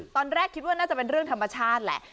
ตอนแรกคิดว่าน่าจะเป็นเรื่องธรรมชาติแหละ